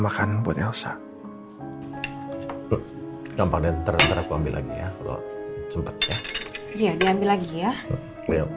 makan buat elsa gampang dan terlalu ambil lagi ya kalau sempet ya iya diambil lagi ya